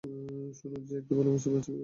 শুনো জ্বি, একটি ভালো প্রস্তাব আছে বিয়ের।